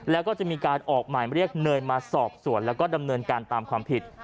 แล้วก็จะมีการออกหมายเรียกเนยมาสอบสวนแล้วก็ดำเนินการตามความผิด